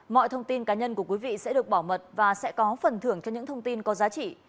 mọi thông tin cá nhân của quý vị sẽ được bảo mật và sẽ có phần thưởng cho những thông tin có giá trị